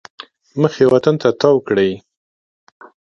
مخ یې وطن ته تاو کړی.